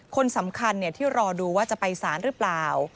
คนสำคัญที่รอดูว่าจะไปสารหรือเปล่า